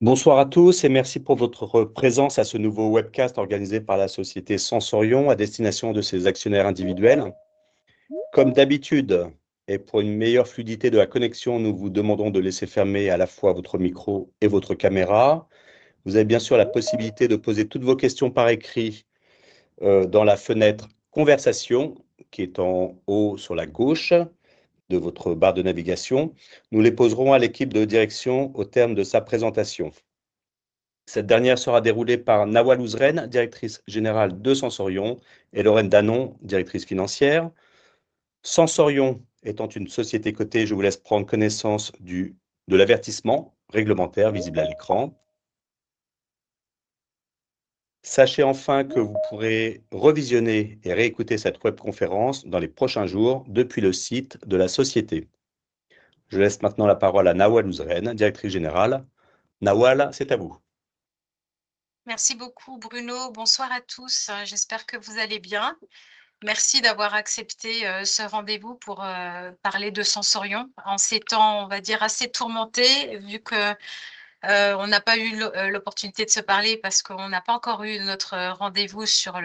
Bonsoir à tous et merci pour votre présence à ce nouveau webcast organisé par la société Sensorion à destination de ses actionnaires individuels. Comme d'habitude, et pour une meilleure fluidité de la connexion, nous vous demandons de laisser fermés à la fois votre micro et votre caméra. Vous avez bien sûr la possibilité de poser toutes vos questions par écrit dans la fenêtre « Conversation » qui est en haut sur la gauche de votre barre de navigation. Nous les poserons à l'équipe de direction au terme de sa présentation. Cette dernière sera déroulée par Nawal Ouzraine, Directrice Générale de Sensorion, et Lauren Danon, Directrice Financière. Sensorion étant une société cotée, je vous laisse prendre connaissance de l'avertissement réglementaire visible à l'écran. Sachez enfin que vous pourrez revisionner et réécouter cette webconférence dans les prochains jours depuis le site de la société. Je laisse maintenant la parole à Nawal Ouzraine, Directrice Générale. Nawal, c'est à vous. Merci beaucoup, Bruno. Bonsoir à tous. J'espère que vous allez bien. Merci d'avoir accepté ce rendez-vous pour parler de Sensorion en ces temps, on va dire, assez tourmentés, vu qu'on n'a pas eu l'opportunité de se parler parce qu'on n'a pas encore eu notre rendez-vous sur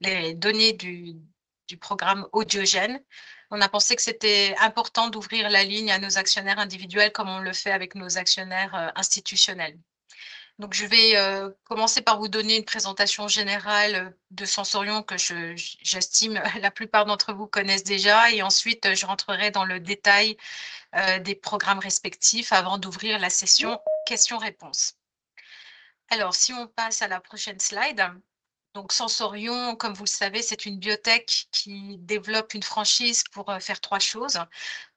les données du programme AudioGen. On a pensé que c'était important d'ouvrir la ligne à nos actionnaires individuels comme on le fait avec nos actionnaires institutionnels. Donc, je vais commencer par vous donner une présentation générale de Sensorion que j'estime la plupart d'entre vous connaissent déjà, et ensuite je rentrerai dans le détail des programmes respectifs avant d'ouvrir la session questions-réponses. Alors, si on passe à la prochaine slide. Donc, Sensorion, comme vous le savez, c'est une biotech qui développe une franchise pour faire trois choses.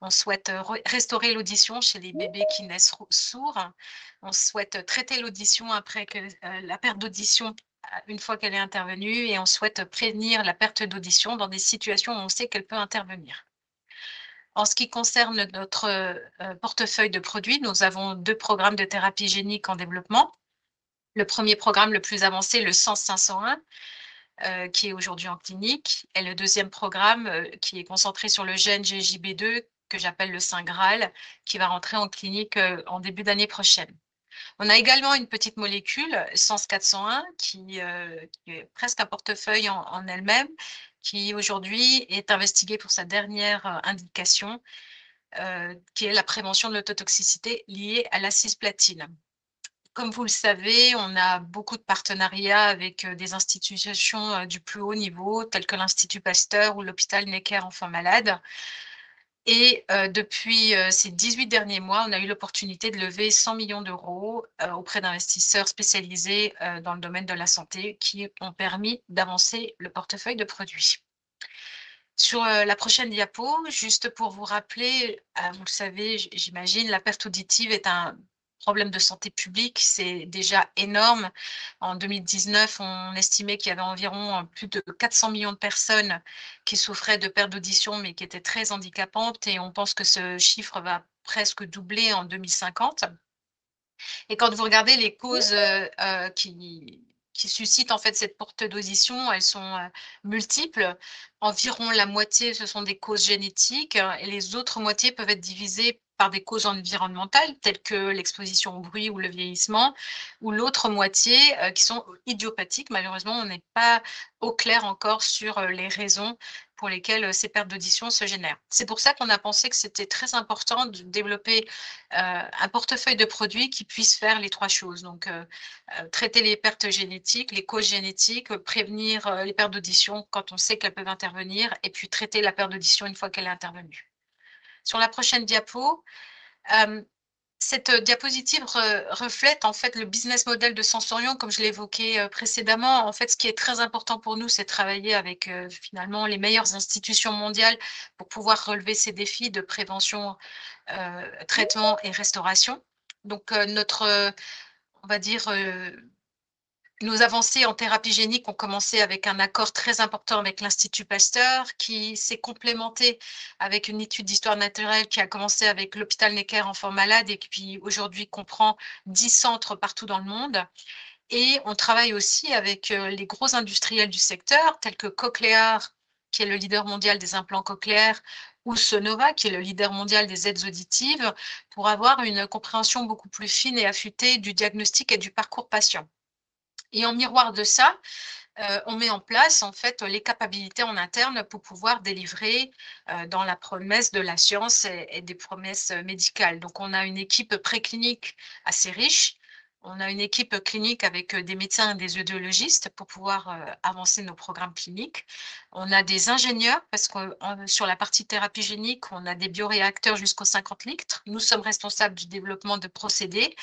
On souhaite restaurer l'audition chez les bébés qui naissent sourds. On souhaite traiter l'audition après la perte d'audition, une fois qu'elle est intervenue, et on souhaite prévenir la perte d'audition dans des situations où on sait qu'elle peut intervenir. En ce qui concerne notre portefeuille de produits, nous avons deux programmes de thérapie génique en développement. Le premier programme, le plus avancé, le SENS-501, qui est aujourd'hui en clinique, et le deuxième programme qui est concentré sur le gène GJB2, que j'appelle le Saint Graal, qui va rentrer en clinique en début d'année prochaine. On a également une petite molécule, SENS-401, qui est presque un portefeuille en elle-même, qui aujourd'hui est investiguée pour sa dernière indication, qui est la prévention de l'ototoxicité liée à l'acide platine. Comme vous le savez, on a beaucoup de partenariats avec des institutions du plus haut niveau, telles que l'Institut Pasteur ou l'Hôpital Necker-Enfants Malades. Et depuis ces 18 derniers mois, on a eu l'opportunité de lever 100 millions d'euros auprès d'investisseurs spécialisés dans le domaine de la santé, qui ont permis d'avancer le portefeuille de produits. Sur la prochaine diapo, juste pour vous rappeler, vous le savez, j'imagine, la perte auditive est un problème de santé publique. C'est déjà énorme. En 2019, on estimait qu'il y avait environ plus de 400 millions de personnes qui souffraient de perte d'audition, mais qui étaient très handicapantes, et on pense que ce chiffre va presque doubler en 2050. Quand vous regardez les causes qui suscitent cette perte d'audition, elles sont multiples. Environ la moitié, ce sont des causes génétiques, et l'autre moitié peut être divisée par des causes environnementales, telles que l'exposition au bruit ou le vieillissement, ou l'autre moitié, qui sont idiopathiques. Malheureusement, on n'est pas au clair encore sur les raisons pour lesquelles ces pertes d'audition se génèrent. C'est pour ça qu'on a pensé que c'était très important de développer un portefeuille de produits qui puisse faire les trois choses. Donc, traiter les pertes génétiques, les causes génétiques, prévenir les pertes d'audition quand on sait qu'elles peuvent intervenir, et puis traiter la perte d'audition une fois qu'elle est intervenue. Sur la prochaine diapo, cette diapositive reflète en fait le business model de Sensorion, comme je l'ai évoqué précédemment. En fait, ce qui est très important pour nous, c'est de travailler avec finalement les meilleures institutions mondiales pour pouvoir relever ces défis de prévention, traitement et restauration. Donc, on va dire, nos avancées en thérapie génique ont commencé avec un accord très important avec l'Institut Pasteur, qui s'est complémenté avec une étude d'histoire naturelle qui a commencé avec l'hôpital Necker Enfants Malades, et qui aujourd'hui comprend 10 centres partout dans le monde. On travaille aussi avec les gros industriels du secteur, tels que Cochlear, qui est le leader mondial des implants cochléaires, ou Sonova, qui est le leader mondial des aides auditives, pour avoir une compréhension beaucoup plus fine et affûtée du diagnostic et du parcours patient. En miroir de ça, on met en place en fait les capabilités en interne pour pouvoir délivrer dans la promesse de la science et des promesses médicales. On a une équipe préclinique assez riche. On a une équipe clinique avec des médecins et des audiologistes pour pouvoir avancer nos programmes cliniques. On a des ingénieurs, parce que sur la partie thérapie génique, on a des bioréacteurs jusqu'au 50 litres. Nous sommes responsables du développement de procédés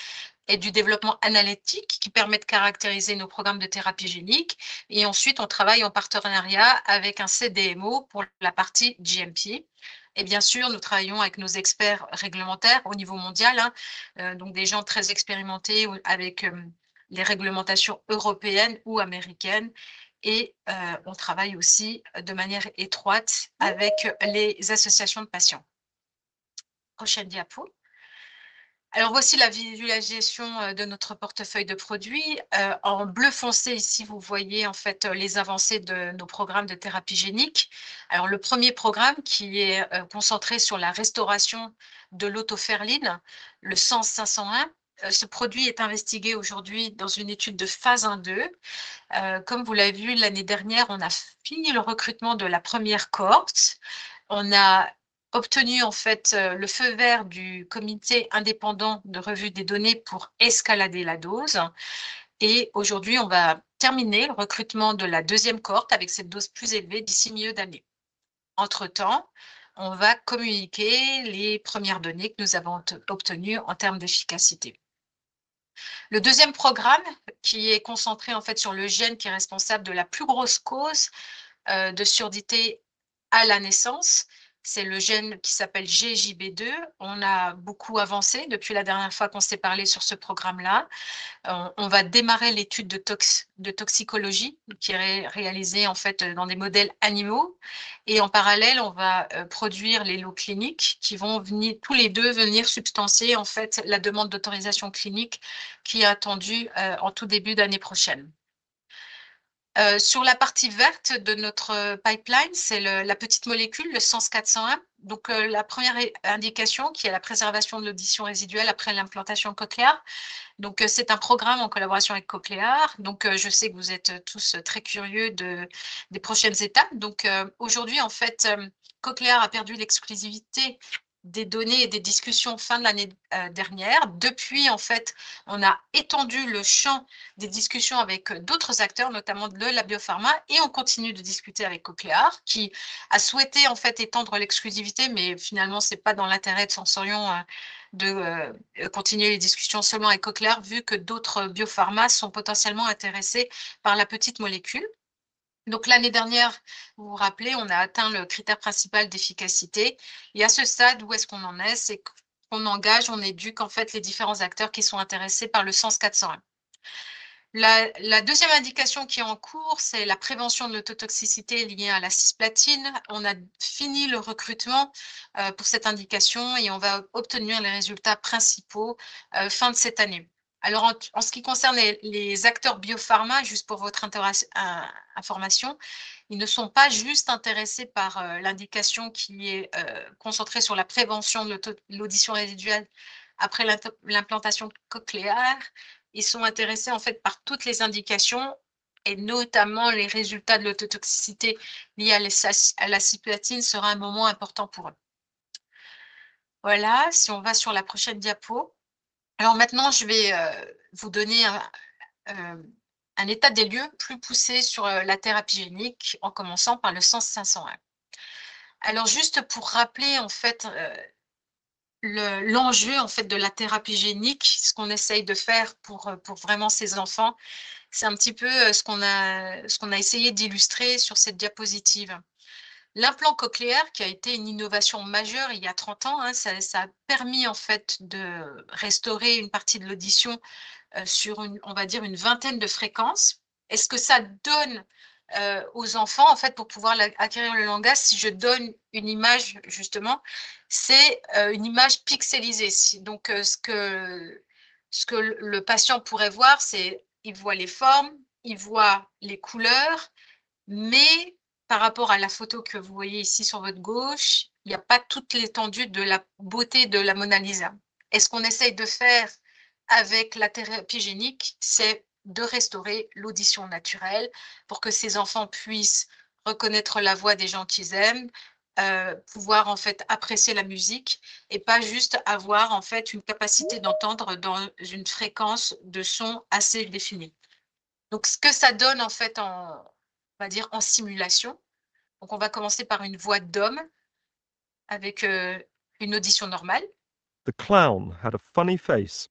et du développement analytique qui permet de caractériser nos programmes de thérapie génique. Et ensuite, on travaille en partenariat avec un CDMO pour la partie GMP. Et bien sûr, nous travaillons avec nos experts réglementaires au niveau mondial, donc des gens très expérimentés avec les réglementations européennes ou américaines. Et on travaille aussi de manière étroite avec les associations de patients. Prochaine diapo. Alors, voici la visualisation de notre portefeuille de produits. En bleu foncé ici, vous voyez en fait les avancées de nos programmes de thérapie génique. Alors, le premier programme qui est concentré sur la restauration de l'autoferline, le Sens 501, ce produit est investigué aujourd'hui dans une étude de phase 1-2. Comme vous l'avez vu l'année dernière, on a fini le recrutement de la première cohorte. On a obtenu en fait le feu vert du comité indépendant de revue des données pour escalader la dose. Aujourd'hui, on va terminer le recrutement de la deuxième cohorte avec cette dose plus élevée d'ici milieu d'année. Entre-temps, on va communiquer les premières données que nous avons obtenues en termes d'efficacité. Le deuxième programme, qui est concentré en fait sur le gène qui est responsable de la plus grosse cause de surdité à la naissance, c'est le gène qui s'appelle GJB2. On a beaucoup avancé depuis la dernière fois qu'on s'est parlé sur ce programme-là. On va démarrer l'étude de toxicologie qui est réalisée en fait dans des modèles animaux. Et en parallèle, on va produire les lots cliniques qui vont venir tous les deux venir substancier en fait la demande d'autorisation clinique qui est attendue en tout début d'année prochaine. Sur la partie verte de notre pipeline, c'est la petite molécule, le SENS-401. Donc, la première indication, qui est la préservation de l'audition résiduelle après l'implantation cochléaire. C'est un programme en collaboration avec Cochlear. Je sais que vous êtes tous très curieux des prochaines étapes. Aujourd'hui, en fait, Cochlear a perdu l'exclusivité des données et des discussions fin de l'année dernière. Depuis, en fait, on a étendu le champ des discussions avec d'autres acteurs, notamment de la biopharma, et on continue de discuter avec Cochlear, qui a souhaité en fait étendre l'exclusivité, mais finalement, ce n'est pas dans l'intérêt de Sensorion de continuer les discussions seulement avec Cochlear, vu que d'autres biopharmas sont potentiellement intéressés par la petite molécule. Donc, l'année dernière, vous vous rappelez, on a atteint le critère principal d'efficacité. Et à ce stade, où est-ce qu'on en est? C'est qu'on engage, on éduque en fait les différents acteurs qui sont intéressés par le SERC-401. La deuxième indication qui est en cours, c'est la prévention de l'ototoxicité liée à l'acide platine. On a fini le recrutement pour cette indication et on va obtenir les résultats principaux fin de cette année. Alors, en ce qui concerne les acteurs biopharma, juste pour votre information, ils ne sont pas juste intéressés par l'indication qui est concentrée sur la prévention de l'audition résiduelle après l'implantation cochléaire. Ils sont intéressés en fait par toutes les indications, et notamment les résultats de l'ototoxicité liée à l'acide platine seront un moment important pour eux. Voilà, si on va sur la prochaine diapo. Alors maintenant, je vais vous donner un état des lieux plus poussé sur la thérapie génique, en commençant par le Sens 501. Alors, juste pour rappeler en fait l'enjeu en fait de la thérapie génique, ce qu'on essaye de faire pour vraiment ces enfants, c'est un petit peu ce qu'on a essayé d'illustrer sur cette diapositive. L'implant cochléaire, qui a été une innovation majeure il y a 30 ans, a permis en fait de restaurer une partie de l'audition sur, on va dire, une vingtaine de fréquences. Est-ce que ça donne aux enfants, en fait, pour pouvoir acquérir le langage? Si je donne une image justement, c'est une image pixelisée. Donc, ce que le patient pourrait voir, c'est qu'il voit les formes, il voit les couleurs, mais par rapport à la photo que vous voyez ici sur votre gauche, il n'y a pas toute l'étendue de la beauté de la Mona Lisa. Et ce qu'on essaie de faire avec la thérapie génique, c'est de restaurer l'audition naturelle pour que ces enfants puissent reconnaître la voix des gens qu'ils aiment, pouvoir en fait apprécier la musique, et pas juste avoir en fait une capacité d'entendre dans une fréquence de son assez définie. Donc, ce que ça donne en fait, on va dire, en simulation. Donc, on va commencer par une voix d'homme avec une audition normale. "The clown had a funny face."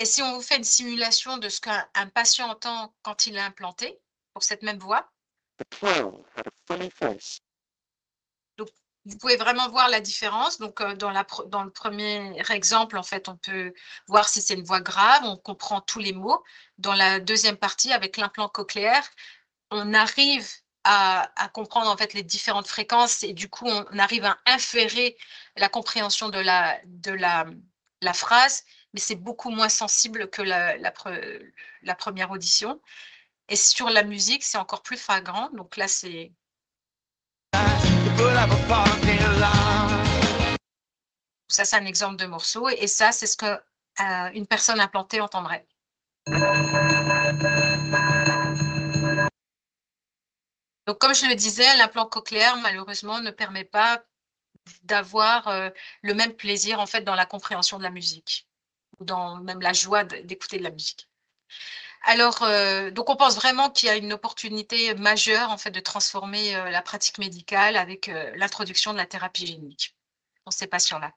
Et si on vous fait une simulation de ce qu'un patient entend quand il est implanté pour cette même voix. "The clown had a funny face." Donc, vous pouvez vraiment voir la différence. Donc, dans le premier exemple, en fait, on peut voir si c'est une voix grave, on comprend tous les mots. Dans la deuxième partie, avec l'implant cochléaire, on arrive à comprendre en fait les différentes fréquences, et du coup, on arrive à inférer la compréhension de la phrase, mais c'est beaucoup moins sensible que la première audition. Et sur la musique, c'est encore plus flagrant, donc là, c'est... "Time, you could have a party line." Ça, c'est un exemple de morceau, et ça, c'est ce qu'une personne implantée entendrait. Donc, comme je le disais, l'implant cochléaire, malheureusement, ne permet pas d'avoir le même plaisir, en fait, dans la compréhension de la musique, ou même la joie d'écouter de la musique. Alors, donc, on pense vraiment qu'il y a une opportunité majeure, en fait, de transformer la pratique médicale avec l'introduction de la thérapie génique pour ces patients-là.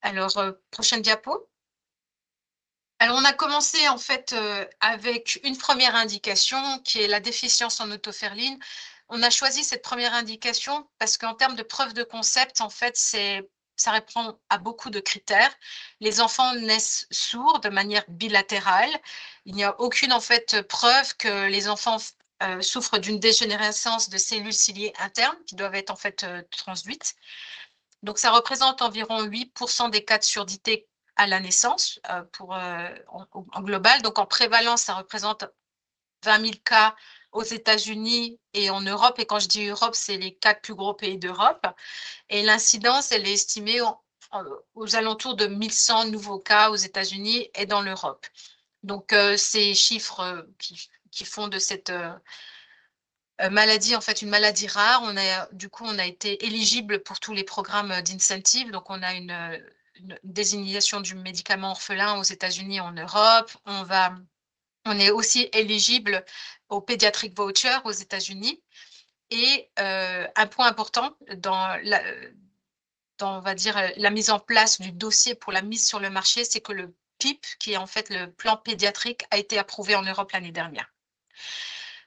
Alors, prochaine diapo. On a commencé, en fait, avec une première indication qui est la déficience en otoferline. On a choisi cette première indication parce qu'en termes de preuve de concept, en fait, ça répond à beaucoup de critères. Les enfants naissent sourds de manière bilatérale. Il n'y a aucune, en fait, preuve que les enfants souffrent d'une dégénérescence de cellules ciliées internes qui doivent être, en fait, transduites. Donc, ça représente environ 8% des cas de surdité à la naissance, pour en global. Donc, en prévalence, ça représente 20 000 cas aux États-Unis et en Europe. Et quand je dis Europe, c'est les quatre plus gros pays d'Europe. Et l'incidence, elle est estimée aux alentours de 1 100 nouveaux cas aux États-Unis et dans l'Europe. Donc, ces chiffres qui font de cette maladie, en fait, une maladie rare, du coup, on a été éligibles pour tous les programmes d'incentive. Donc, on a une désignation du médicament orphelin aux États-Unis et en Europe. On est aussi éligibles au Pediatric Voucher aux États-Unis. Et un point important dans, on va dire, la mise en place du dossier pour la mise sur le marché, c'est que le PIP, qui est en fait le plan pédiatrique, a été approuvé en Europe l'année dernière.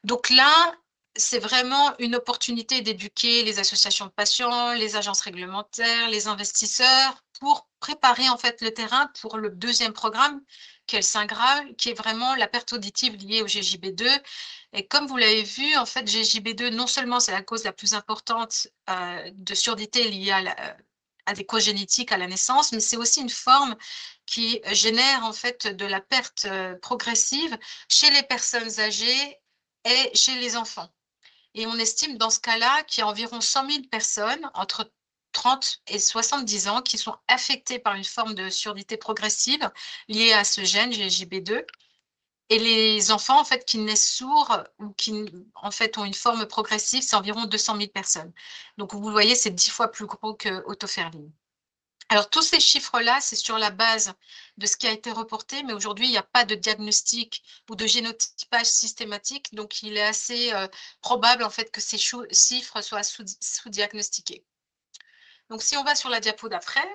Donc là, c'est vraiment une opportunité d'éduquer les associations de patients, les agences réglementaires, les investisseurs, pour préparer le terrain pour le deuxième programme qui est le SINGRAL, qui est vraiment la perte auditive liée au GJB2. Et comme vous l'avez vu, GJB2, non seulement c'est la cause la plus importante de surdité liée à des causes génétiques à la naissance, mais c'est aussi une forme qui génère de la perte progressive chez les personnes âgées et chez les enfants. Et on estime dans ce cas-là qu'il y a environ 100 000 personnes entre 30 et 70 ans qui sont affectées par une forme de surdité progressive liée à ce gène, GJB2. Et les enfants qui naissent sourds ou qui ont une forme progressive, c'est environ 200 000 personnes. Donc, vous le voyez, c'est 10 fois plus gros qu'Otoferllin. Alors, tous ces chiffres-là, c'est sur la base de ce qui a été reporté, mais aujourd'hui, il n'y a pas de diagnostic ou de génotypage systématique, donc il est assez probable, en fait, que ces chiffres soient sous-diagnostiqués. Si on va sur la diapo d'après.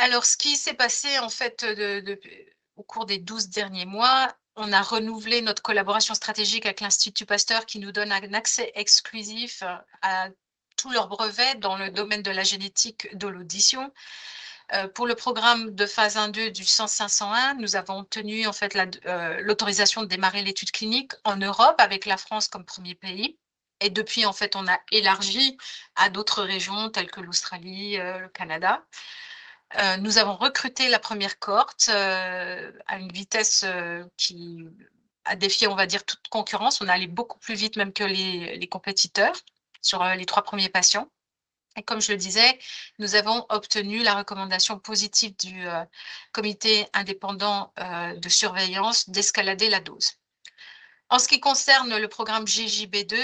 Ce qui s'est passé, en fait, au cours des 12 derniers mois, on a renouvelé notre collaboration stratégique avec l'Institut Pasteur, qui nous donne un accès exclusif à tous leurs brevets dans le domaine de la génétique de l'audition. Pour le programme de phase 1-2 du SENS-501, nous avons obtenu, en fait, l'autorisation de démarrer l'étude clinique en Europe, avec la France comme premier pays. Depuis, en fait, on a élargi à d'autres régions telles que l'Australie, le Canada. Nous avons recruté la première cohorte à une vitesse qui a défié, on va dire, toute concurrence. On est allé beaucoup plus vite, même que les compétiteurs, sur les trois premiers patients. Et comme je le disais, nous avons obtenu la recommandation positive du comité indépendant de surveillance d'escalader la dose. En ce qui concerne le programme GJB2,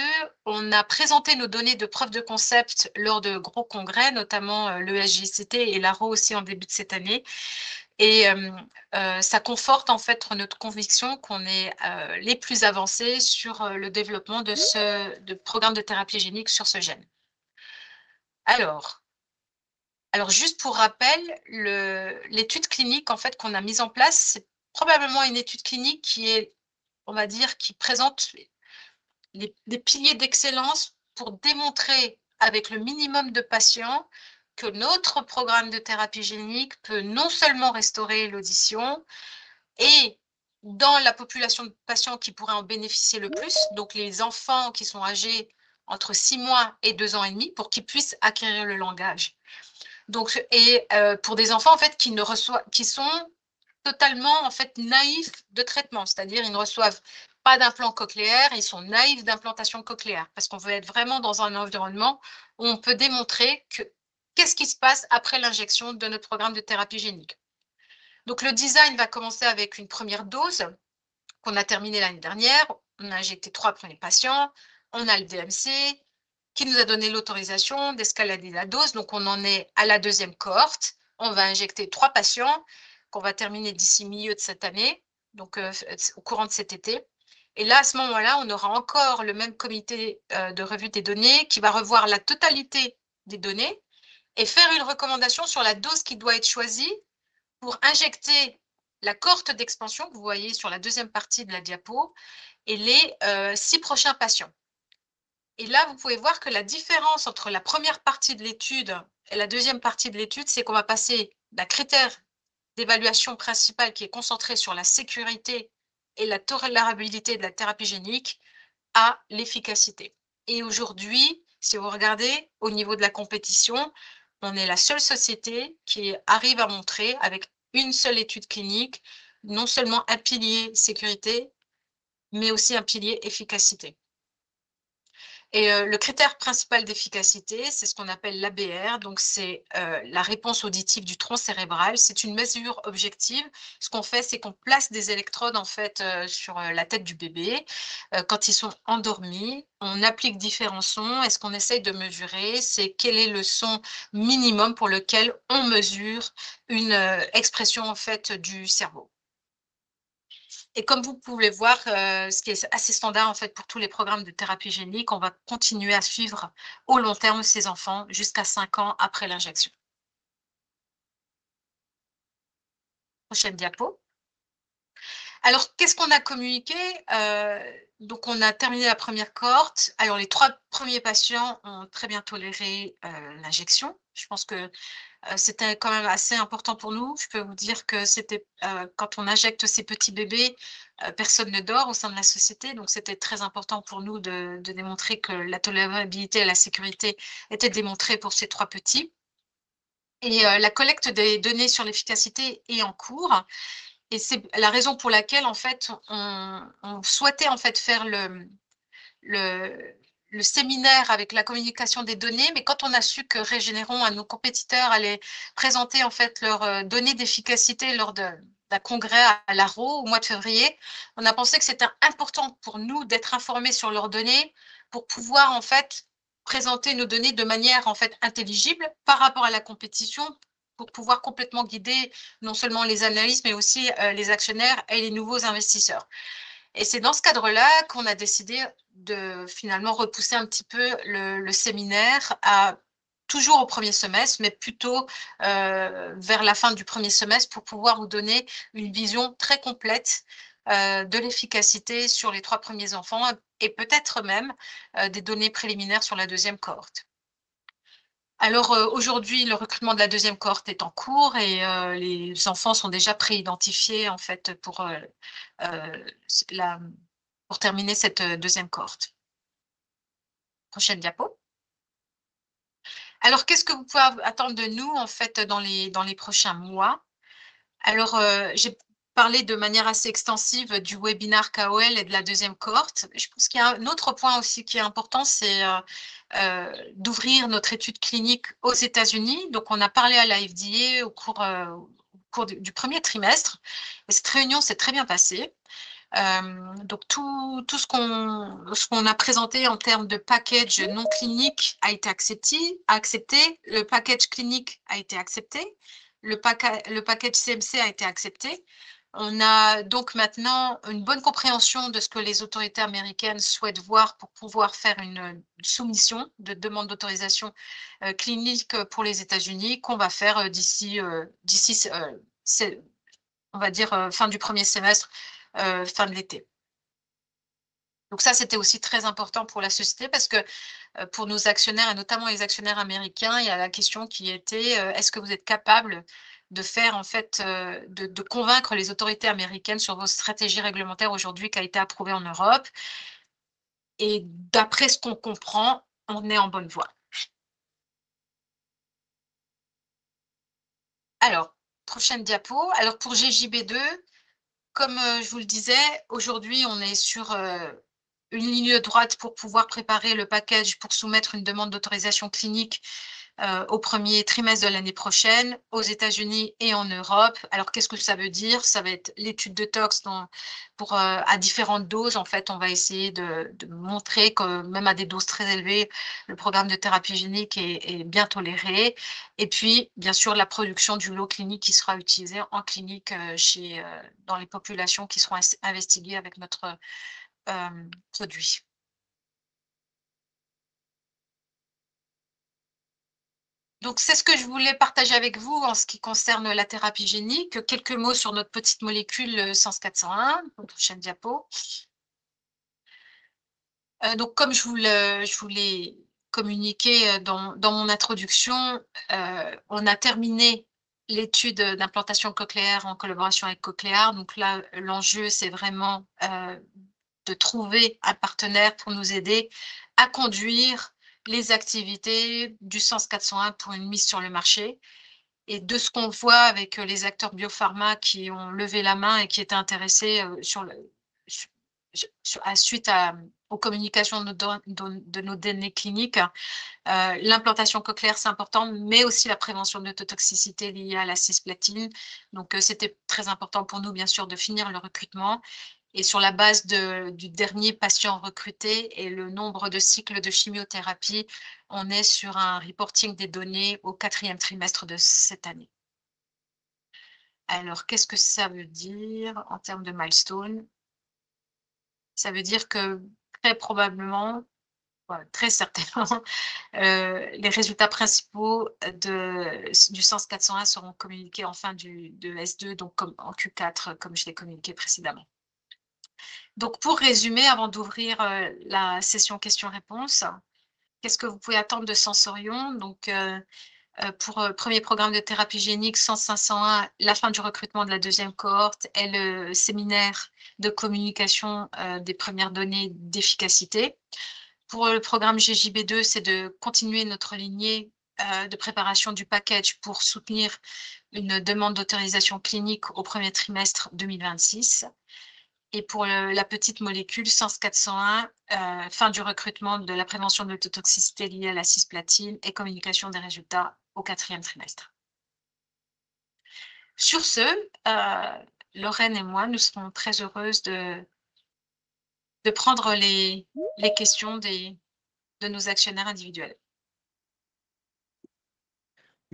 on a présenté nos données de preuve de concept lors de gros congrès, notamment l'ESGCT et l'ARO aussi en début de cette année. Et ça conforte, en fait, notre conviction qu'on est les plus avancés sur le développement de ce programme de thérapie génique sur ce gène. Alors, juste pour rappel, l'étude clinique qu'on a mise en place, c'est probablement une étude clinique qui présente des piliers d'excellence pour démontrer avec le minimum de patients que notre programme de thérapie génique peut non seulement restaurer l'audition, et dans la population de patients qui pourrait en bénéficier le plus, donc les enfants qui sont âgés entre 6 mois et 2 ans et demi, pour qu'ils puissent acquérir le langage. Donc, pour des enfants qui ne reçoivent, qui sont totalement naïfs de traitement, c'est-à-dire ils ne reçoivent pas d'implant cochléaire, ils sont naïfs d'implantation cochléaire, parce qu'on veut être vraiment dans un environnement où on peut démontrer ce qui se passe après l'injection de notre programme de thérapie génique. Donc, le design va commencer avec une première dose qu'on a terminée l'année dernière. On a injecté trois premiers patients, on a le DMC qui nous a donné l'autorisation d'escalader la dose, donc on en est à la deuxième cohorte. On va injecter trois patients qu'on va terminer d'ici milieu de cette année, donc au courant de cet été. Et là, à ce moment-là, on aura encore le même comité de revue des données qui va revoir la totalité des données et faire une recommandation sur la dose qui doit être choisie pour injecter la cohorte d'expansion que vous voyez sur la deuxième partie de la diapo et les six prochains patients. Et là, vous pouvez voir que la différence entre la première partie de l'étude et la deuxième partie de l'étude, c'est qu'on va passer d'un critère d'évaluation principal qui est concentré sur la sécurité et la tolérabilité de la thérapie génique à l'efficacité. Et aujourd'hui, si vous regardez au niveau de la compétition, on est la seule société qui arrive à montrer avec une seule étude clinique non seulement un pilier sécurité, mais aussi un pilier efficacité. Et le critère principal d'efficacité, c'est ce qu'on appelle l'ABR, donc c'est la réponse auditive du tronc cérébral. C'est une mesure objective. Ce qu'on fait, c'est qu'on place des électrodes, en fait, sur la tête du bébé quand ils sont endormis. On applique différents sons. Et ce qu'on essaye de mesurer, c'est quel est le son minimum pour lequel on mesure une expression, en fait, du cerveau. Et comme vous pouvez voir, ce qui est assez standard, en fait, pour tous les programmes de thérapie génique, on va continuer à suivre au long terme ces enfants jusqu'à 5 ans après l'injection. Prochaine diapo. Qu'est-ce qu'on a communiqué? Donc on a terminé la première cohorte. Alors, les trois premiers patients ont très bien toléré l'injection. Je pense que c'était quand même assez important pour nous. Je peux vous dire que c'était quand on injecte ces petits bébés, personne ne dort au sein de la société. Donc, c'était très important pour nous de démontrer que la tolérabilité et la sécurité étaient démontrées pour ces trois petits. Et la collecte des données sur l'efficacité est en cours. Et c'est la raison pour laquelle, en fait, on souhaitait, en fait, faire le séminaire avec la communication des données. Mais quand on a su que Regeneron, un de nos compétiteurs, allait présenter, en fait, leurs données d'efficacité lors d'un congrès à l'ARO au mois de février, on a pensé que c'était important pour nous d'être informés sur leurs données pour pouvoir, en fait, présenter nos données de manière intelligible par rapport à la compétition, pour pouvoir complètement guider non seulement les analystes, mais aussi les actionnaires et les nouveaux investisseurs. Et c'est dans ce cadre-là qu'on a décidé de finalement repousser un petit peu le séminaire, toujours au premier semestre, mais plutôt vers la fin du premier semestre, pour pouvoir vous donner une vision très complète de l'efficacité sur les trois premiers enfants et peut-être même des données préliminaires sur la deuxième cohorte. Alors, aujourd'hui, le recrutement de la deuxième cohorte est en cours et les enfants sont déjà pré-identifiés, en fait, pour terminer cette deuxième cohorte. Prochaine diapo. Alors, qu'est-ce que vous pouvez attendre de nous, en fait, dans les prochains mois? Alors, j'ai parlé de manière assez extensive du webinar KOL et de la deuxième cohorte. Je pense qu'il y a un autre point aussi qui est important, c'est d'ouvrir notre étude clinique aux États-Unis. Donc, on a parlé à la FDA au cours du premier trimestre. Et cette réunion s'est très bien passée. Donc tout ce qu'on a présenté en termes de package non clinique a été accepté. Le package clinique a été accepté. Le package CMC a été accepté. On a donc maintenant une bonne compréhension de ce que les autorités américaines souhaitent voir pour pouvoir faire une soumission de demande d'autorisation clinique pour les États-Unis, qu'on va faire d'ici, on va dire, fin du premier semestre, fin de l'été. Donc ça, c'était aussi très important pour la société, parce que pour nos actionnaires, et notamment les actionnaires américains, il y a la question qui était: est-ce que vous êtes capables de faire, en fait, de convaincre les autorités américaines sur votre stratégie réglementaire aujourd'hui qui a été approuvée en Europe? Et d'après ce qu'on comprend, on est en bonne voie. Alors, prochaine diapo. Alors, pour GJB2, comme je vous le disais, aujourd'hui, on est sur une ligne droite pour pouvoir préparer le package pour soumettre une demande d'autorisation clinique au premier trimestre de l'année prochaine, aux États-Unis et en Europe. Alors, qu'est-ce que ça veut dire? Ça va être l'étude de toxicité pour différentes doses. En fait, on va essayer de montrer que même à des doses très élevées, le programme de thérapie génique est bien toléré. Et puis, bien sûr, la production du lot clinique qui sera utilisé en clinique chez dans les populations qui seront investiguées avec notre produit. Donc, c'est ce que je voulais partager avec vous en ce qui concerne la thérapie génique. Quelques mots sur notre petite molécule Sens 401. Prochaine diapo. Donc, comme je vous l'ai communiqué dans mon introduction, on a terminé l'étude d'implantation cochléaire en collaboration avec Cochlear. Donc là, l'enjeu, c'est vraiment de trouver un partenaire pour nous aider à conduire les activités du Sens 401 pour une mise sur le marché. Et de ce qu'on voit avec les acteurs biopharma qui ont levé la main et qui étaient intéressés suite aux communications de nos données cliniques, l'implantation cochléaire, c'est important, mais aussi la prévention de l'ototoxicité liée à la cisplatine. Donc, c'était très important pour nous, bien sûr, de finir le recrutement. Et sur la base du dernier patient recruté et le nombre de cycles de chimiothérapie, on est sur un reporting des données au quatrième trimestre de cette année. Alors, qu'est-ce que ça veut dire en termes de milestone? Ça veut dire que très probablement, enfin très certainement, les résultats principaux du Sens 401 seront communiqués en fin de S2, donc comme en Q4, comme je l'ai communiqué précédemment. Donc, pour résumer, avant d'ouvrir la session questions-réponses, qu'est-ce que vous pouvez attendre de Sensorion? Donc, pour le premier programme de thérapie génique Sens 501, la fin du recrutement de la deuxième cohorte et le séminaire de communication des premières données d'efficacité. Pour le programme GJB2, c'est de continuer notre lignée de préparation du package pour soutenir une demande d'autorisation clinique au premier trimestre 2026. Et pour la petite molécule Sens 401, fin du recrutement de la prévention de l'autotoxicité liée à la cisplatine et communication des résultats au quatrième trimestre. Sur ce, Laurène et moi, nous serons très heureuses de prendre les questions de nos actionnaires individuels.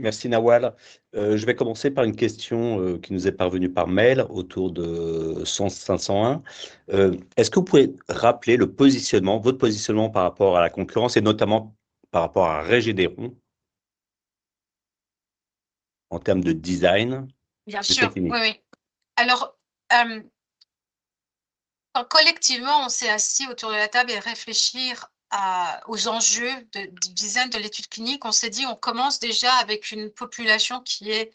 Merci, Nawal. Je vais commencer par une question qui nous est parvenue par mail autour de Sens 501. Est-ce que vous pouvez rappeler le positionnement, votre positionnement par rapport à la concurrence et notamment par rapport à Regeneron en termes de design? Bien sûr. Alors, collectivement, on s'est assis autour de la table et réfléchi aux enjeux du design de l'étude clinique. On s'est dit, on commence déjà avec une population qui est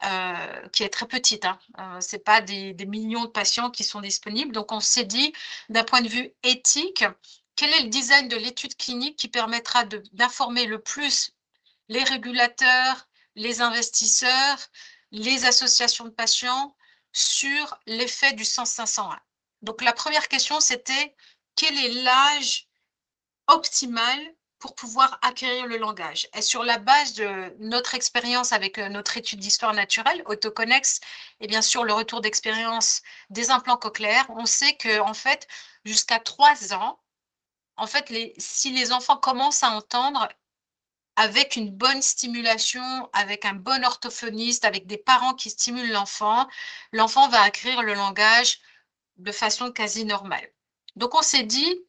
très petite. Ce n'est pas des millions de patients qui sont disponibles. Donc, on s'est dit, d'un point de vue éthique, quel est le design de l'étude clinique qui permettra d'informer le plus les régulateurs, les investisseurs, les associations de patients sur l'effet du Sens 501? Donc, la première question, c'était: quel est l'âge optimal pour pouvoir acquérir le langage? Et sur la base de notre expérience avec notre étude d'histoire naturelle, Autoconnex, et bien sûr, le retour d'expérience des implants cochléaires, on sait qu'en fait, jusqu'à trois ans, en fait, si les enfants commencent à entendre avec une bonne stimulation, avec un bon orthophoniste, avec des parents qui stimulent l'enfant, l'enfant va acquérir le langage de façon quasi normale. Donc, on s'est dit,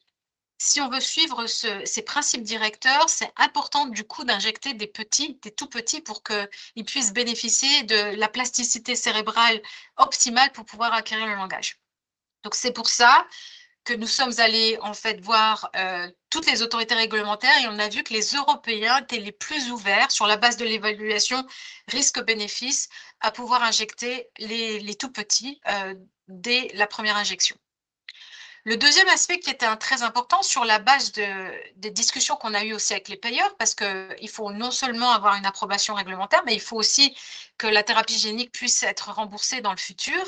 si on veut suivre ces principes directeurs, c'est important du coup d'injecter des petits, des tout petits, pour qu'ils puissent bénéficier de la plasticité cérébrale optimale pour pouvoir acquérir le langage. Donc, c'est pour ça que nous sommes allés, en fait, voir toutes les autorités réglementaires et on a vu que les Européens étaient les plus ouverts sur la base de l'évaluation risque-bénéfice à pouvoir injecter les tout petits dès la première injection. Le deuxième aspect qui était très important sur la base des discussions qu'on a eues aussi avec les payeurs, parce qu'il faut non seulement avoir une approbation réglementaire, mais il faut aussi que la thérapie génique puisse être remboursée dans le futur.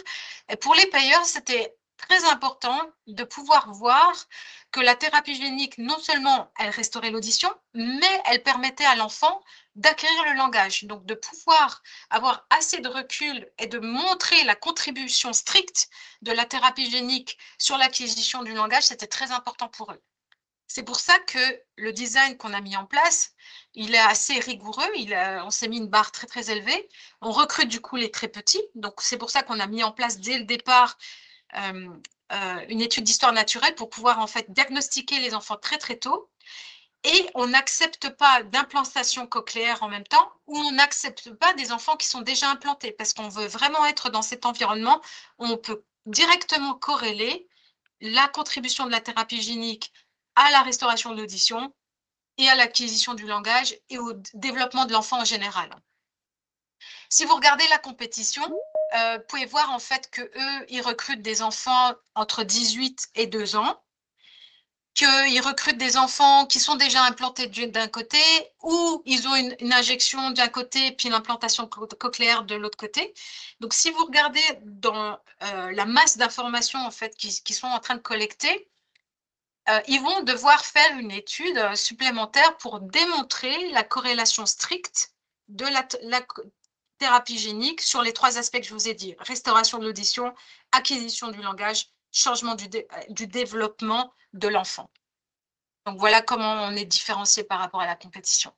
Et pour les payeurs, c'était très important de pouvoir voir que la thérapie génique, non seulement elle restaurait l'audition, mais elle permettait à l'enfant d'acquérir le langage. Donc, de pouvoir avoir assez de recul et de montrer la contribution stricte de la thérapie génique sur l'acquisition du langage, c'était très important pour eux. C'est pour ça que le design qu'on a mis en place, il est assez rigoureux. On s'est mis une barre très, très élevée. On recrute du coup les très petits. Donc, c'est pour ça qu'on a mis en place dès le départ une étude d'histoire naturelle pour pouvoir, en fait, diagnostiquer les enfants très, très tôt. On n'accepte pas d'implantation cochléaire en même temps ou on n'accepte pas des enfants qui sont déjà implantés. Parce qu'on veut vraiment être dans cet environnement où on peut directement corréler la contribution de la thérapie génique à la restauration de l'audition et à l'acquisition du langage et au développement de l'enfant en général. Si vous regardez la compétition, vous pouvez voir, en fait, qu'eux, ils recrutent des enfants entre 18 mois et 2 ans, qu'ils recrutent des enfants qui sont déjà implantés d'un côté ou ils ont une injection d'un côté et puis l'implantation cochléaire de l'autre côté. Donc, si vous regardez dans la masse d'informations qu'ils sont en train de collecter, ils vont devoir faire une étude supplémentaire pour démontrer la corrélation stricte de la thérapie génique sur les trois aspects que je vous ai dit: restauration de l'audition, acquisition du langage, changement du développement de l'enfant. Donc, voilà comment on est différencié par rapport à la compétition.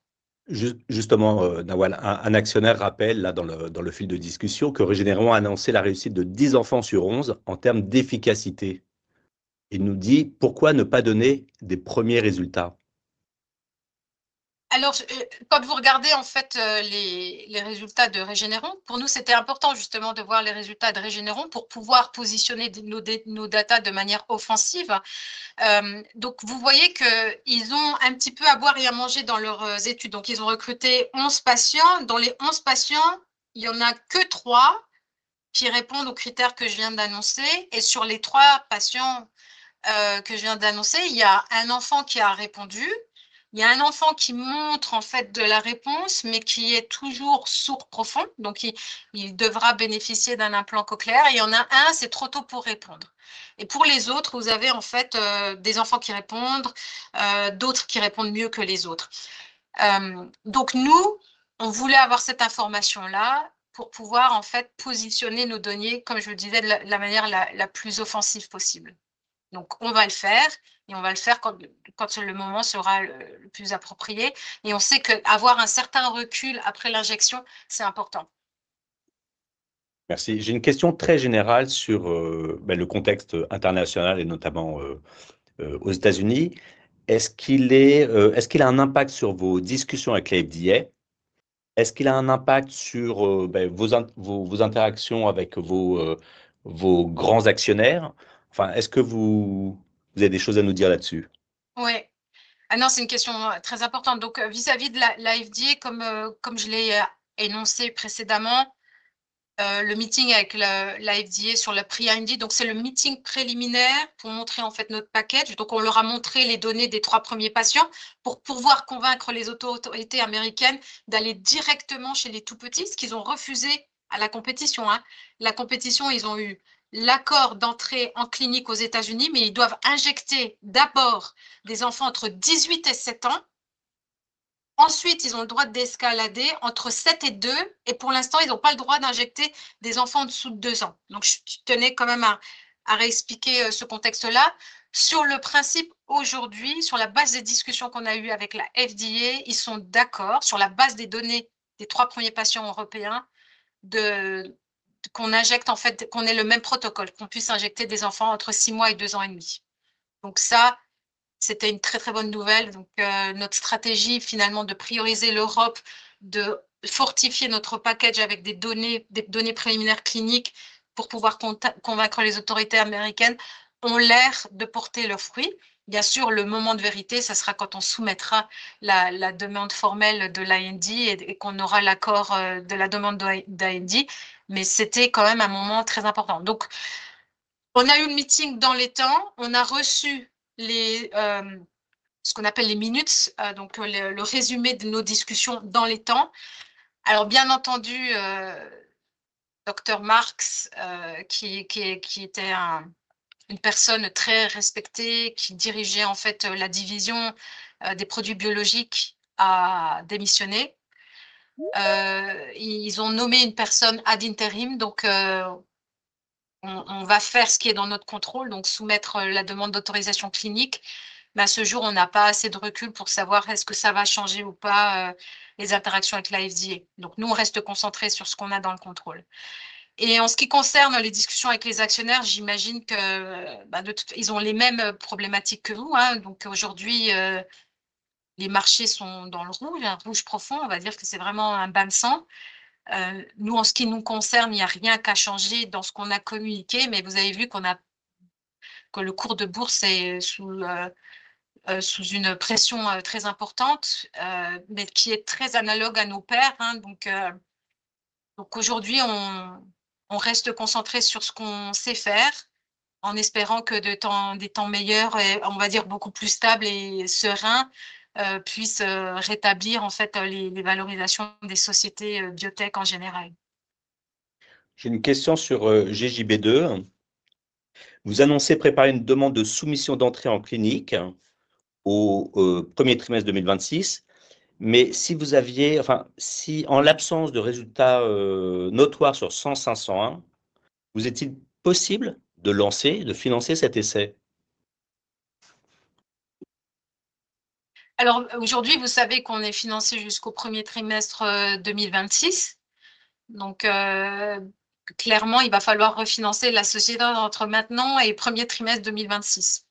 Justement, Nawal, un actionnaire rappelle là dans le fil de discussion que Regeneron a annoncé la réussite de 10 enfants sur 11 en termes d'efficacité. Il nous dit: pourquoi ne pas donner des premiers résultats? Alors, quand vous regardez les résultats de Regeneron, pour nous, c'était important justement de voir les résultats de Regeneron pour pouvoir positionner nos données de manière offensive. Donc, vous voyez qu'ils ont un petit peu à boire et à manger dans leurs études. Donc, ils ont recruté 11 patients. Dans les 11 patients, il n'y en a que trois qui répondent aux critères que je viens d'annoncer. Et sur les trois patients que je viens d'annoncer, il y a un enfant qui a répondu, il y a un enfant qui montre, en fait, de la réponse, mais qui est toujours sourd profond, donc il devra bénéficier d'un implant cochléaire. Il y en a un, c'est trop tôt pour répondre. Et pour les autres, vous avez, en fait, des enfants qui répondent, d'autres qui répondent mieux que les autres. Donc, nous, on voulait avoir cette information-là pour pouvoir, en fait, positionner nos données, comme je le disais, de la manière la plus offensive possible. Donc, on va le faire et on va le faire quand le moment sera le plus approprié. Et on sait qu'avoir un certain recul après l'injection, c'est important. Merci. J'ai une question très générale sur le contexte international et notamment aux États-Unis. Est-ce qu'il y a un impact sur vos discussions avec la FDA? Est-ce qu'il y a un impact sur vos interactions avec vos grands actionnaires? Enfin, est-ce que vous avez des choses à nous dire là-dessus? Oui, non, c'est une question très importante. Donc, vis-à-vis de la FDA, comme je l'ai énoncé précédemment, le meeting avec la FDA sur le prix Indy, donc c'est le meeting préliminaire pour montrer, en fait, notre package. Donc, on leur a montré les données des trois premiers patients pour pouvoir convaincre les autorités américaines d'aller directement chez les tout petits, ce qu'ils ont refusé à la compétition. La compétition, ils ont eu l'accord d'entrée en clinique aux États-Unis, mais ils doivent injecter d'abord des enfants entre 18 et 7 ans. Ensuite, ils ont le droit d'escalader entre 7 et 2, et pour l'instant, ils n'ont pas le droit d'injecter des enfants en dessous de 2 ans. Donc, je tenais quand même à expliquer ce contexte-là. Sur le principe, aujourd'hui, sur la base des discussions qu'on a eues avec la FDA, ils sont d'accord sur la base des données des trois premiers patients européens de qu'on injecte, en fait, qu'on ait le même protocole, qu'on puisse injecter des enfants entre 6 mois et 2 ans et demi. Donc ça, c'était une très, très bonne nouvelle. Donc, notre stratégie, finalement, de prioriser l'Europe, de fortifier notre package avec des données préliminaires cliniques pour pouvoir convaincre les autorités américaines, ont l'air de porter leurs fruits. Bien sûr, le moment de vérité, ça sera quand on soumettra la demande formelle de l'IND et qu'on aura l'accord de la demande d'IND, mais c'était quand même un moment très important. Donc, on a eu le meeting dans les temps, on a reçu ce qu'on appelle les minutes, donc le résumé de nos discussions dans les temps. Alors, bien entendu, Docteur Marx, qui était une personne très respectée, qui dirigeait en fait la division des produits biologiques, a démissionné. Ils ont nommé une personne, Addin Terrim. Donc, on va faire ce qui est dans notre contrôle, donc soumettre la demande d'autorisation clinique. Mais à ce jour, on n'a pas assez de recul pour savoir est-ce que ça va changer ou pas les interactions avec la FDA. Donc, nous, on reste concentré sur ce qu'on a dans le contrôle. Et en ce qui concerne les discussions avec les actionnaires, j'imagine qu'ils ont les mêmes problématiques que vous. Donc, aujourd'hui, les marchés sont dans le rouge, un rouge profond. On va dire que c'est vraiment un bain de sang. Nous, en ce qui nous concerne, il n'y a rien à changer dans ce qu'on a communiqué, mais vous avez vu que le cours de bourse est sous une pression très importante, mais qui est très analogue à nos pairs. Donc aujourd'hui, on reste concentré sur ce qu'on sait faire, en espérant que des temps meilleurs, et on va dire beaucoup plus stables et sereins, puissent rétablir en fait les valorisations des sociétés biotech en général. J'ai une question sur GJB2. Vous annoncez préparer une demande de soumission d'entrée en clinique au premier trimestre 2026, mais si vous aviez, enfin, si en l'absence de résultats notoires sur Sens 501, vous est-il possible de lancer, de financer cet essai? Alors, aujourd'hui, vous savez qu'on est financé jusqu'au premier trimestre 2026. Donc, clairement, il va falloir refinancer la société entre maintenant et premier trimestre 2026.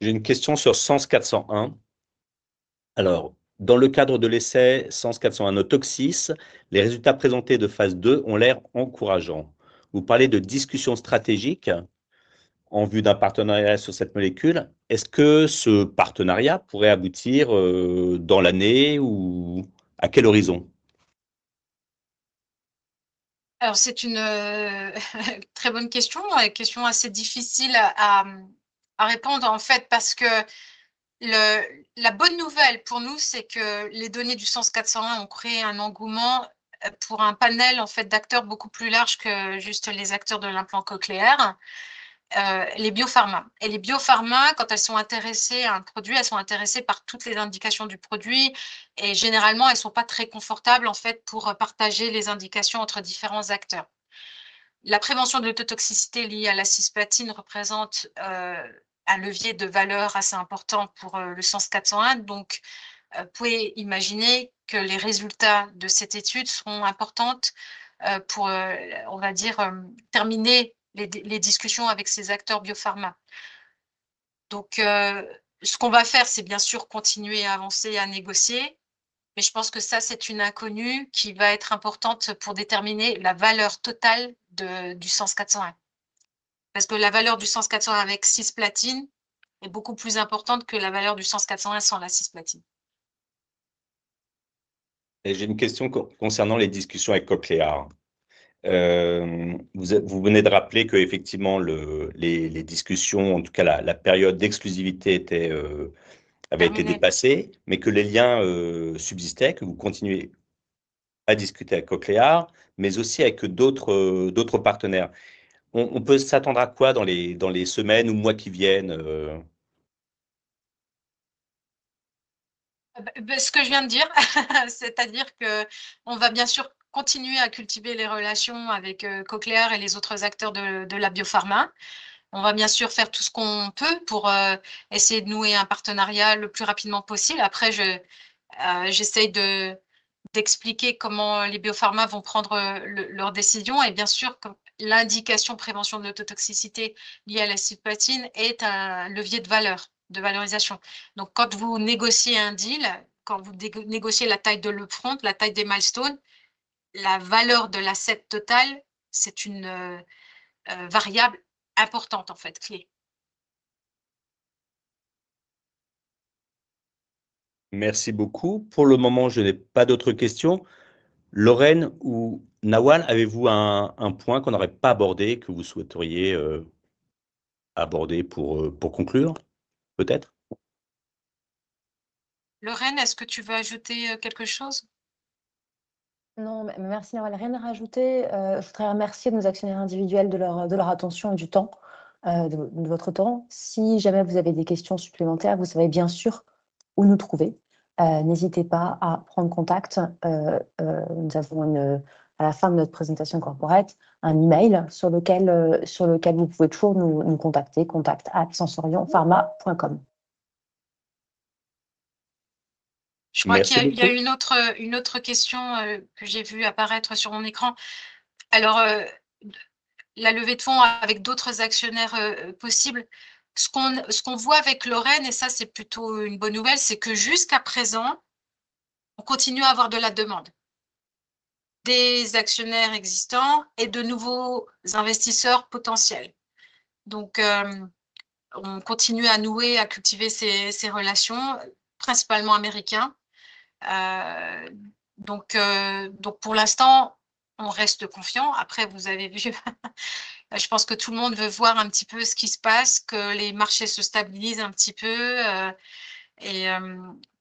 J'ai une question sur Sens 401. Alors, dans le cadre de l'essai Sens 401, notre toxis, les résultats présentés de phase 2 ont l'air encourageants. Vous parlez de discussions stratégiques en vue d'un partenariat sur cette molécule. Est-ce que ce partenariat pourrait aboutir dans l'année ou à quel horizon? Alors, c'est une très bonne question, une question assez difficile à répondre, en fait, parce que la bonne nouvelle pour nous, c'est que les données du SENS-401 ont créé un engouement pour un panel, en fait, d'acteurs beaucoup plus large que juste les acteurs de l'implant cochléaire, les biopharmas. Et les biopharmas, quand elles sont intéressées à un produit, elles sont intéressées par toutes les indications du produit et généralement, elles ne sont pas très confortables, en fait, pour partager les indications entre différents acteurs. La prévention de l'ototoxicité liée à la cisplatine représente un levier de valeur assez important pour le SENS-401. Donc, vous pouvez imaginer que les résultats de cette étude seront importants pour terminer les discussions avec ces acteurs biopharmas. Donc, ce qu'on va faire, c'est bien sûr continuer à avancer, à négocier, mais je pense que ça, c'est une inconnue qui va être importante pour déterminer la valeur totale du Sens 401. Parce que la valeur du Sens 401 avec cisplatine est beaucoup plus importante que la valeur du Sens 401 sans la cisplatine. J'ai une question concernant les discussions avec Cochlear. Vous venez de rappeler qu'effectivement, les discussions, en tout cas la période d'exclusivité, avait été dépassée, mais que les liens subsistaient, que vous continuez à discuter avec Cochlear, mais aussi avec d'autres partenaires. On peut s'attendre à quoi dans les semaines ou mois qui viennent? Ce que je viens de dire, c'est-à-dire qu'on va bien sûr continuer à cultiver les relations avec Cochlear et les autres acteurs de la biopharma. On va bien sûr faire tout ce qu'on peut pour essayer de nouer un partenariat le plus rapidement possible. Après, j'essaye d'expliquer comment les biopharmas vont prendre leur décision. Et bien sûr, l'indication prévention de l'autotoxicité liée à la cisplatine est un levier de valeur, de valorisation. Donc, quand vous négociez un deal, quand vous négociez la taille de l'upfront, la taille des milestones, la valeur de l'asset total, c'est une variable importante, en fait, clé. Merci beaucoup. Pour le moment, je n'ai pas d'autres questions. Lorraine ou Nawal, avez-vous un point qu'on n'aurait pas abordé que vous souhaiteriez aborder pour conclure, peut-être? Lorraine, est-ce que tu veux ajouter quelque chose? Non, merci Nawal. Rien à rajouter. Je voudrais remercier nos actionnaires individuels de leur attention et du temps, de votre temps. Si jamais vous avez des questions supplémentaires, vous savez bien sûr où nous trouver. N'hésitez pas à prendre contact. Nous avons une, à la fin de notre présentation corporate, un email sur lequel vous pouvez toujours nous contacter: contact@censurionpharma.com. Je vois qu'il y a eu une autre question que j'ai vue apparaître sur mon écran. Alors, la levée de fonds avec d'autres actionnaires possibles, ce qu'on voit avec Lorraine, et ça, c'est plutôt une bonne nouvelle, c'est que jusqu'à présent, on continue à avoir de la demande, des actionnaires existants et de nouveaux investisseurs potentiels. Donc, on continue à nouer, à cultiver ces relations, principalement américaines. Donc pour l'instant, on reste confiants. Après, vous avez vu, je pense que tout le monde veut voir un petit peu ce qui se passe, que les marchés se stabilisent un petit peu. Et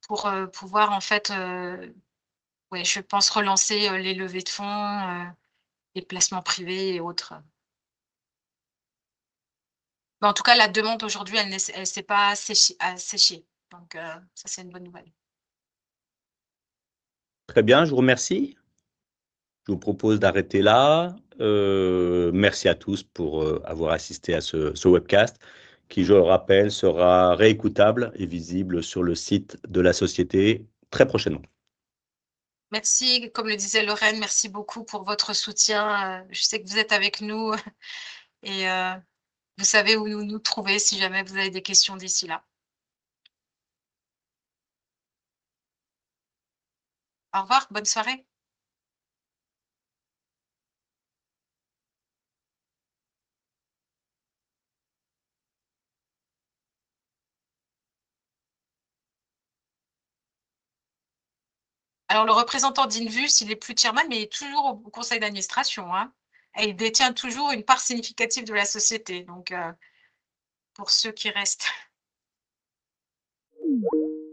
pour pouvoir, en fait, oui, je pense, relancer les levées de fonds, les placements privés et autres. Mais en tout cas, la demande aujourd'hui, elle ne s'est pas asséchée. Donc, ça, c'est une bonne nouvelle. Très bien, je vous remercie. Je vous propose d'arrêter là. Merci à tous pour avoir assisté à ce webcast qui, je le rappelle, sera réécoutable et visible sur le site de la société très prochainement. Merci. Comme le disait Lorraine, merci beaucoup pour votre soutien. Je sais que vous êtes avec nous et vous savez où nous trouver si jamais vous avez des questions d'ici là. Au revoir, bonne soirée. Alors, le représentant d'Invus, il n'est plus tiers-man, mais il est toujours au conseil d'administration. Il détient toujours une part significative de la société. Donc, pour ceux qui restent.